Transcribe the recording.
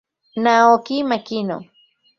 Naoki Makino